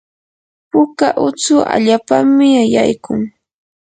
puka utsu allapami ayaykun.